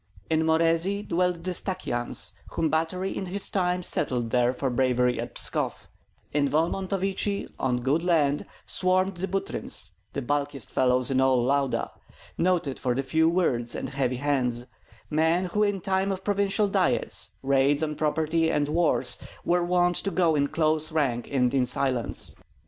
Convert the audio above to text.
In Morezi dwelt the Stakyans, whom Batory in his time settled there for bravery at Pskoff; in Volmontovichi, on good land, swarmed the Butryms, the bulkiest fellows in all Lauda, noted for few words and heavy hands, men who in time of provincial diets, raids on property, or wars were wont to go in close rank and in silence.